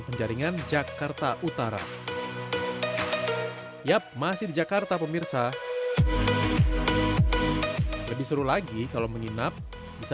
penjaringan jakarta utara yap masih di jakarta pemirsa lebih seru lagi kalau menginap bisa